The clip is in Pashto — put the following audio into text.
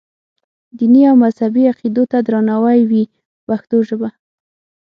دیني او مذهبي عقیدو ته درناوی وي په پښتو ژبه.